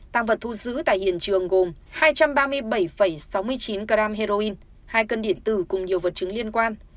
tăng vật thu giữ tại hiện trường gồm hai trăm ba mươi bảy sáu mươi chín g heroin hai cân điện tử cùng nhiều vật chứng liên quan